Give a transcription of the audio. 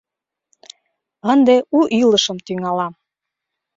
Ынде у илышым тӱҥалам.